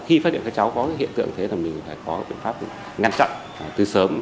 khi phát hiện các cháu có hiện tượng thế thì mình cũng phải có các biện pháp ngăn chặn từ sớm